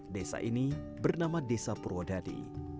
desa ini bernama desa purwodadi